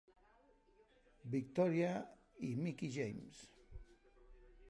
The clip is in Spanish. Victoria y Mickie James.